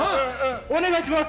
お願いします！